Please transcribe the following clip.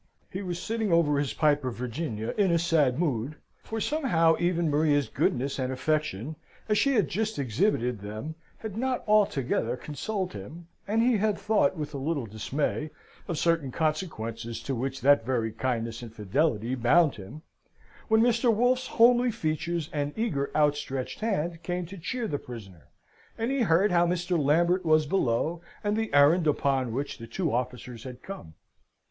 He was sitting over his pipe of Virginia in a sad mood (for, somehow, even Maria's goodness and affection, as she had just exhibited them, had not altogether consoled him; and he had thought, with a little dismay, of certain consequences to which that very kindness and fidelity bound him), when Mr. Wolfe's homely features and eager outstretched hand came to cheer the prisoner, and he heard how Mr. Lambert was below, and the errand upon which the two officers had come.